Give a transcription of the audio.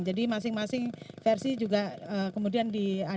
jadi masing masing versi juga kemudian direka ulang